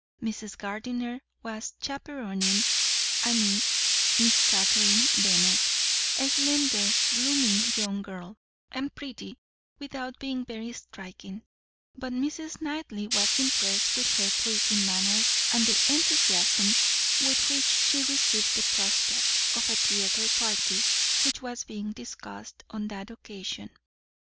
Mrs. Gardiner was chaperoning a niece, Miss Catherine Bennet, a slender, blooming young girl, and pretty without being very striking; but Mrs. Knightley was impressed with her pleasing manners, and the enthusiasm with which she received the prospect of a theatre party which was being discussed on that occasion.